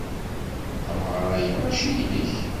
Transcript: Tameɣra-a mačči inek.